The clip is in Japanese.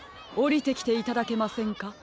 おりてきていただけませんか？